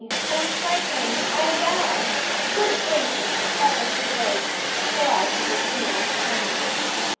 I'm frightened, I vow! Good gracious! who ever supposed That I should be single till now?